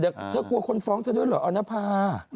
เธอกลัวคนฟ้องเถอะด้วยเหรอออนภา